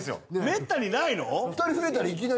めったにないの？